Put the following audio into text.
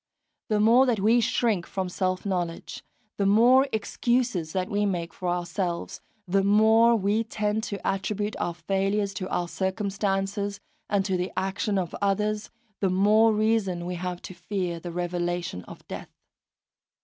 The more that we shrink from self knowledge, the more excuses that we make for ourselves, the more that we tend to attribute our failures to our circumstances and to the action of others, the more reason we have to fear the revelation of death.